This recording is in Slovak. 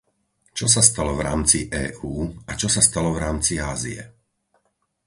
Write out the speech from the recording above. Čo sa stalo v rámci EÚ a čo sa stalo v rámci Ázie?